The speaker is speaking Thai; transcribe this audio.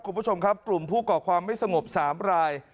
คุณผู้ชมครับกลุ่มผู้ก่อความไม่สงบ๓ราย